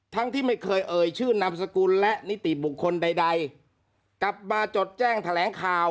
ที่ไม่เคยเอ่ยชื่อนามสกุลและนิติบุคคลใดกลับมาจดแจ้งแถลงข่าว